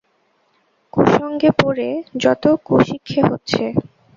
কুসঙ্গে পড়ে যত কুশিক্ষে হচ্ছে!